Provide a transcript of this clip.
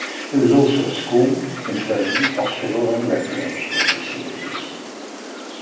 There was also a school, infirmary, hospital, and recreational facilities.